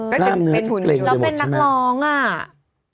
ก็จะเป็นหุ่นยนต์แล้วเป็นนักร้องอ่ะแล้วร้องเพลงได้หมดใช่ไหม